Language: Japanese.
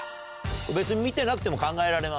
別に見てなくても考えられます。